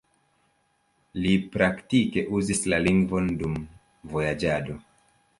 Li praktike uzis la lingvon dum vojaĝado.